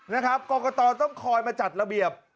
นะครับกรกตต้องคอยมาจัดระเบียบ